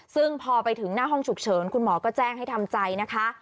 ซึ่งพอไปถึงหน้าห้องฉุกเฉินคุณหมอก็แจ้งให้ทำใจนะคะ